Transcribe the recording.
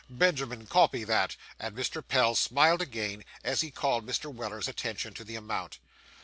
Benjamin, copy that.' And Mr. Pell smiled again, as he called Mr. Weller's attention to the amount.